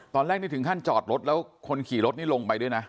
ตอนแรกนี่ถึงขั้นจอดรถแล้วคนขี่รถนี่ลงไปด้วยนะ